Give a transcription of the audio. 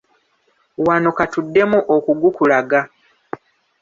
Wano ka tuddemu okugukulaga.